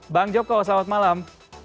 bang joko selamat malam